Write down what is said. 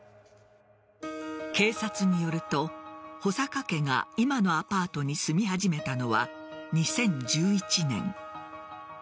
警察によると穂坂家が今のアパートに住み始めたのは２０１１年。